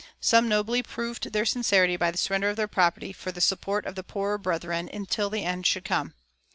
Some nobly proved their sincerity by the surrender of their property for the support of their poorer brethren until the end should come.